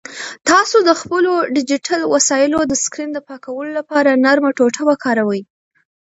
تاسو د خپلو ډیجیټل وسایلو د سکرین د پاکولو لپاره نرمه ټوټه وکاروئ.